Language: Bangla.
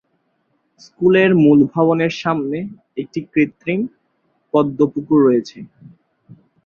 স্কুলের মূল ভবনের সামনে একটি কৃত্রিম "পদ্ম পুকুর" রয়েছে।